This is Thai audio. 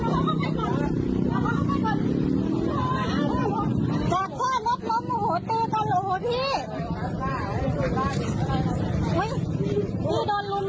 แจ้งกับนวดเลย